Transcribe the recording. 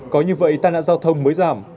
có như vậy tai nạn giao thông mới giảm